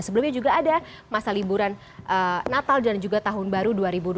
sebelumnya juga ada masa liburan natal dan juga tahun baru dua ribu dua puluh